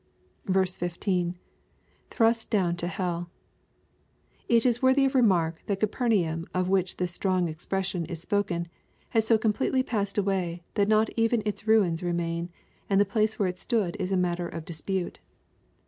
15. — [Thrust down to heJl] It is worthy of remark, that Capernaum, of which this strong expression is spoken, has so completely passed away, that not even its ruins remain, and the place where it stood is matter of dispute.